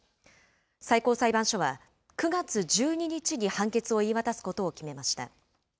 最高裁判所は、９月１２日に判決を言い渡すことを決めました。